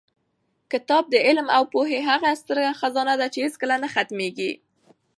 کتاب د علم او پوهې هغه ستره خزانه ده چې هېڅکله نه ختمېږي.